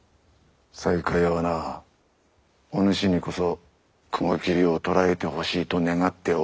西海屋はなお主にこそ雲霧を捕らえてほしいと願っておるのだ。